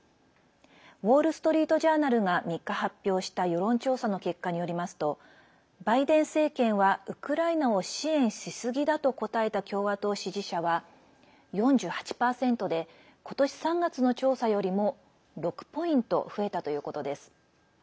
ウォール・ストリート・ジャーナルが３日発表した世論調査の結果によりますとバイデン政権はウクライナを支援しすぎだと答えた共和党支持者は４８％で今年３月の調査よりも６ポイント増えたということです。